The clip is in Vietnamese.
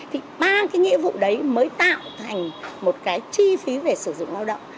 thì ba cái nghĩa vụ đấy mới tạo thành một cái chi phí về sử dụng lao động